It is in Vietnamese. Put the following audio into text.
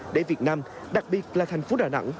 để việt nam đặc biệt là thành phố đà nẵng